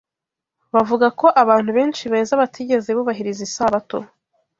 Bavuga ko abantu benshi beza batigeze bubahiriza Isabato